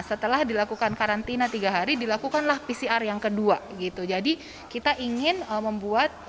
setelah dilakukan karantina tiga hari dilakukanlah pcr yang kedua gitu jadi kita ingin membuat